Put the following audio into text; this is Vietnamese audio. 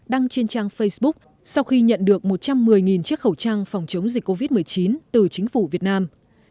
đăng trên trang facebook sau khi nhận được một trăm một mươi chiếc khẩu trang phòng chống dịch covid một mươi chín từ chính phủ việt nam